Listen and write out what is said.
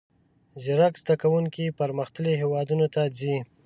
زیرک زده کوونکي پرمختللیو هیوادونو ته ځي.